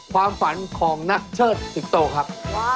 ความฝันของนักเชิดสิงโตครับ